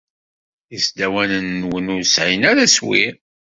Isdawanen-nwen ur sɛin ara aswir.